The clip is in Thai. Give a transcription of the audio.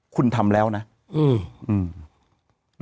คุณทำแล้วนะอืม